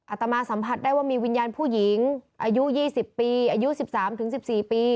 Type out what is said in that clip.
ตมาสัมผัสได้ว่ามีวิญญาณผู้หญิงอายุ๒๐ปีอายุ๑๓๑๔ปี